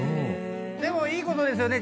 でもいいことですよね。